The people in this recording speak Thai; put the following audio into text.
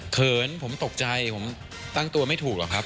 เขินผมตกใจผมตั้งตัวไม่ถูกหรอกครับ